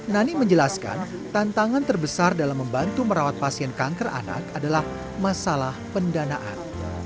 nani menjelaskan tantangan terbesar dalam membantu merawat pasien kanker anak adalah masalah pendanaan